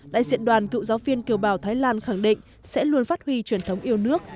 đại diện đoàn cựu giáo viên kiều bào thái lan khẳng định sẽ luôn phát huy truyền thống yêu nước